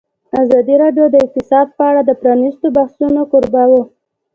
ازادي راډیو د اقتصاد په اړه د پرانیستو بحثونو کوربه وه.